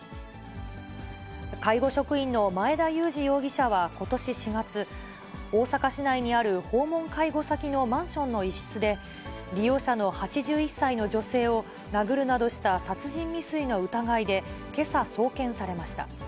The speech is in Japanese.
介護職員の前田祐二容疑者はことし４月、大阪市内にある訪問介護先のマンションの一室で、利用者の８１歳の女性を殴るなどした殺人未遂の疑いで、けさ送検されました。